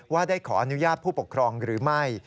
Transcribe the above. ว่าได้ขออนุญาตผู้ปกครองหรือไม่